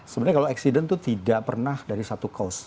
sebenarnya kalau accident itu tidak pernah dari satu cause